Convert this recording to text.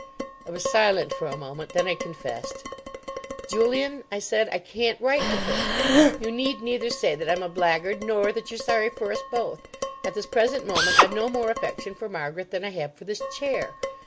I was silent for a moment. Then I confessed. "Julian," I said, "I can't write to her. You need neither say that I'm a blackguard nor that you're sorry for us both. At this present moment I've no more affection for Margaret than I have for this chair.